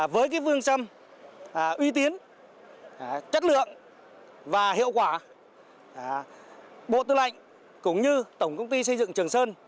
với phương châm uy tín chất lượng và hiệu quả bộ tư lệnh cũng như tổng công ty xây dựng trường sơn